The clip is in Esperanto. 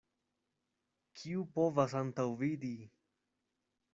Kiu povas antaŭvidi!